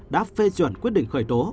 đã phê chuẩn quyết định khởi tố